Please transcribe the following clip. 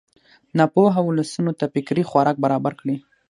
ناپوهو ولسونو ته فکري خوراک برابر کړي.